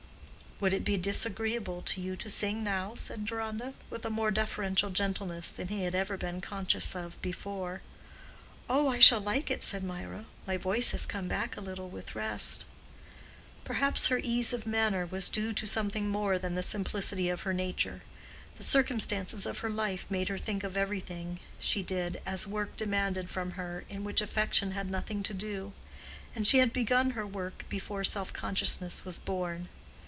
"Would it be disagreeable to you to sing now?" said Deronda, with a more deferential gentleness than he had ever been conscious of before. "Oh, I shall like it," said Mirah. "My voice has come back a little with rest." Perhaps her ease of manner was due to something more than the simplicity of her nature. The circumstances of her life made her think of everything she did as work demanded from her, in which affectation had nothing to do; and she had begun her work before self consciousness was born.